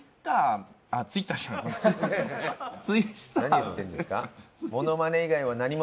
何を言ってるんですか？